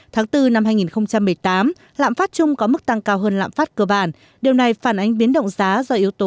tháng bốn năm hai nghìn một mươi tám lạm phát chung có mức tăng cao hơn lạm phát cơ bản điều này phản ánh biến động giá do yếu tố